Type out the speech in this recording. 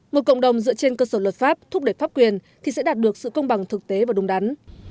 một cộng đồng dựa trên cơ sở luật pháp thúc đẩy pháp quyền thì sẽ đạt được sự công bằng thực tế và đúng đắn